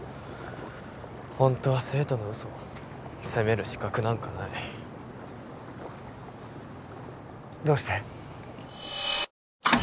ホントは生徒の嘘責める資格なんかないどうして？